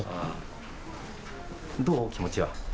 どう、気持ちは？